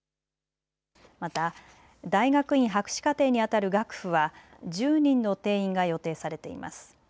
また大学院博士課程にあたる学府は１０人の定員が予定されています。